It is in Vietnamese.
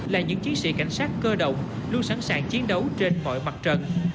là những chiến sĩ cảnh sát cơ động luôn sẵn sàng chiến đấu trên mọi mặt trận